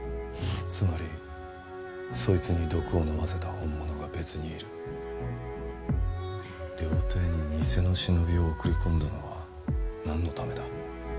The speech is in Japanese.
つまりそいつに毒を飲ませた本物が別にいる料亭に偽のシノビを送り込んだのは何のためだ？